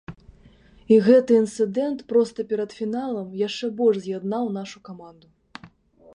І гэты інцыдэнт проста перад фіналам яшчэ больш з'яднаў нашу каманду.